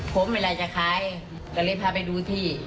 ผมไม่ไรจะขายก็เลยพาไปดูที่